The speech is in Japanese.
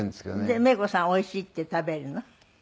でメイコさんおいしいって食べるの？